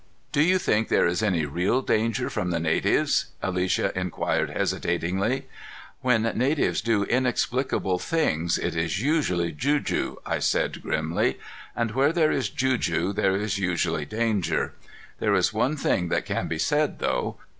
"Do you think there is any real danger from the natives?" Alicia inquired hesitatingly. "When natives do inexplicable things, it is usually juju," I said grimly. "And where there is juju there is usually danger. There is one thing that can be said, though.